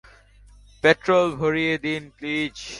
Petrol ভরিয়ে দিন please.